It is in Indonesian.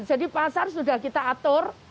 jadi pasar sudah kita atur